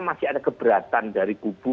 masih ada keberatan dari kubu